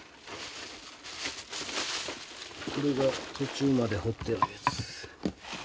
これが途中まで彫ってあるやつ。